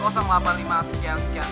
sekian sekian sekian